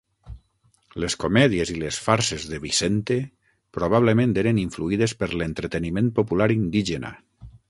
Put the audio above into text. Les comèdies i les farses de Vicente probablement eren influïdes per l'entreteniment popular indígena.